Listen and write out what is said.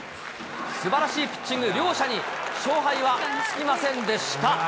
すばらしいピッチング、両者に勝敗はつきませんでした。